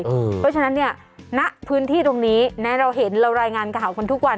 เพราะฉะนั้นเนี่ยณพื้นที่ตรงนี้เราเห็นเรารายงานข่าวกันทุกวัน